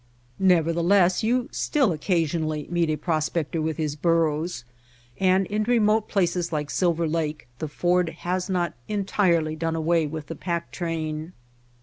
Nevertheless you still occasionally meet a prospector with his burros, and in re mote places like Silver Lake the Ford has not entirely done away with the pack train.